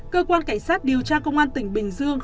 cơ quan cảnh sát điều tra công an tỉnh bình dương